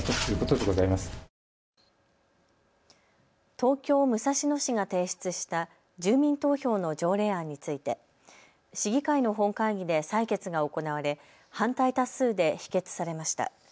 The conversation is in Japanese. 東京武蔵野市が提出した住民投票の条例案について市議会の本会議で採決が行われ反対多数で否決されました。